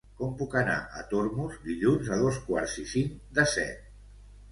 Com puc anar a Tormos dilluns a dos quarts i cinc de set?